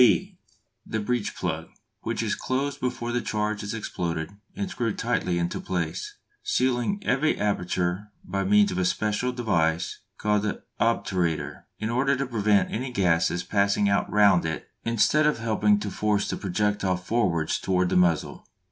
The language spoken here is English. (b) The breech plug, which is closed before the charge is exploded and screwed tightly into place, sealing every aperture by means of a special device called the "obturator," in order to prevent any gases passing out round it instead of helping to force the projectile forwards towards the muzzle.